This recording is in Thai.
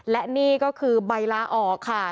และนี่ก็คือใบลาออกค่ะ